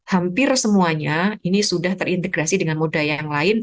hampir semuanya ini sudah terintegrasi dengan moda yang lain